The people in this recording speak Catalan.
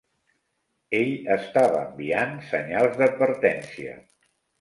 Ell estava enviant senyals d'advertència.